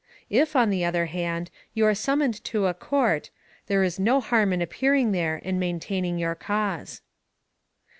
If, on the other hand, you are summoned to a court, there is no harm in ap pearing there and maintaining your cause.